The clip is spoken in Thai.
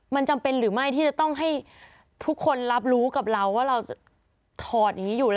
มันจำเป็นหรือไม่ที่จะต้องให้ทุกคนรับรู้กับเราว่าเราถอดอย่างนี้อยู่